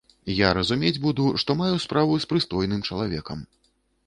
Я разумець буду, што маю справу з прыстойным чалавекам.